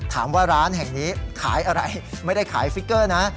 ร้านแห่งนี้ขายอะไรไม่ได้ขายฟิกเกอร์นะ